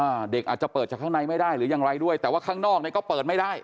เด็กอาจจะเปิดจากข้างในไม่ได้หรือยังไรด้วยแต่ว่าข้างนอกเนี้ยก็เปิดไม่ได้